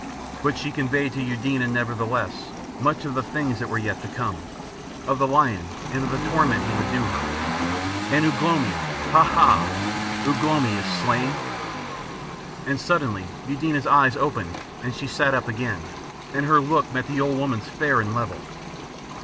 But she conveyed to Eudena, nevertheless, much of the things that were yet to come, of the Lion and of the torment he would do her. "And Ugh lomi! Ha, ha! Ugh lomi is slain?" And suddenly Eudena's eyes opened and she sat up again, and her look met the old woman's fair and level.